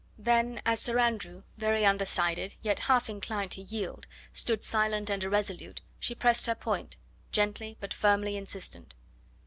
Then as Sir Andrew, very undecided, yet half inclined to yield, stood silent and irresolute, she pressed her point, gently but firmly insistent.